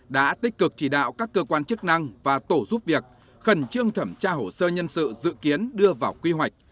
đã tích cực chỉ đạo các cơ quan chức năng và tổ giúp việc khẩn trương thẩm tra hồ sơ nhân sự dự kiến đưa vào quy hoạch